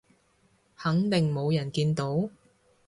肯定冇人見到？